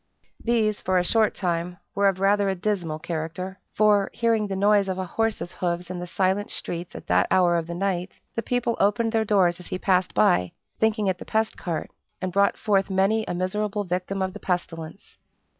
These, for a short time, were of rather a dismal character; for, hearing the noise of a horse's hoofs in the silent streets at that hour of the night, the people opened their doors as he passed by, thinking it the pest cart, and brought forth many a miserable victim of the pestilence.